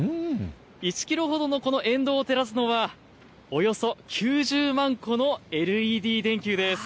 １キロほどのこの沿道を照らすのはおよそ９０万個のＬＥＤ電球です。